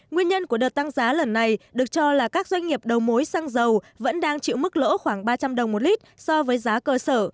nguyên nhân của đợt tăng giá lần này được cho là các doanh nghiệp đầu mối xăng dầu vẫn đang chịu mức lỗ khoảng ba trăm linh đồng một lít so với giá cơ sở